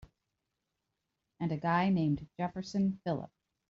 And a guy named Jefferson Phillip.